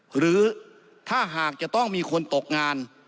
หรือถ้าหากจะต้องมีคนตกงาน